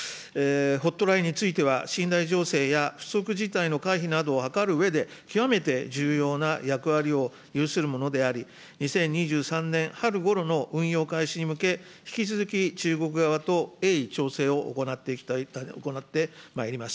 ホットラインについては、信頼醸成や不測事態の回避などを図るうえで、極めて重要な役割を有するものであり、２０２３年春ごろの運用開始に向け、引き続き中国側とえいい調整を行ってまいります。